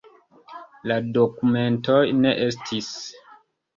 La dokumentoj ne estis.